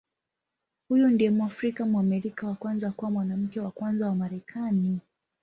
Huyu ndiye Mwafrika-Mwamerika wa kwanza kuwa Mwanamke wa Kwanza wa Marekani.